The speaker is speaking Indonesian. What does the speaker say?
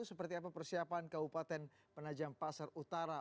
seperti apa persiapan kabupaten penajam pasar utara